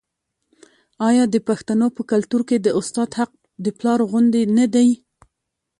آیا د پښتنو په کلتور کې د استاد حق د پلار غوندې نه دی؟